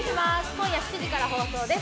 今夜７時から放送です。